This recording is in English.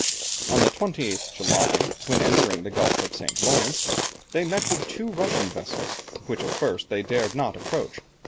On the 28th July, when entering the Gulf of St. Lawrence, they met with two Russian vessels, which at first they dared not approach.